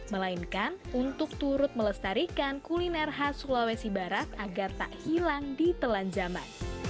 melainkan untuk turut melestarikan kuliner khas sulawesi barat agar tak hilang di telan zaman